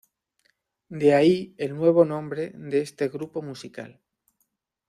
De ahí el nuevo nombre de este grupo musical.